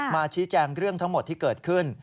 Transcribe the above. ชี้แจงเรื่องทั้งหมดที่เกิดขึ้น